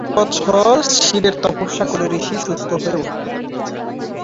বহুবছর শিবের তপস্যা করে ঋষি সুস্থ হয়ে ওঠেন।